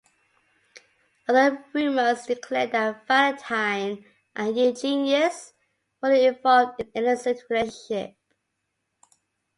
Other rumours declared that Valentine and Eugenius were involved in an illicit relationship.